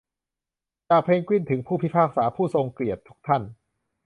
จากเพนกวินถึงผู้พิพากษาผู้ทรงเกียรติทุกท่าน